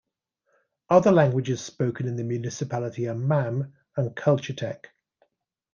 Other languages spoken in the municipality are Mam and Chalchitek.